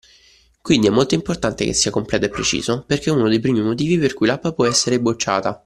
Quindi è molto importante che sia completo e preciso perché è uno dei primi motivi per cui l’app può essere bocciata.